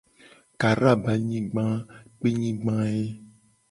Kara be anyigba a kpenyigba ye.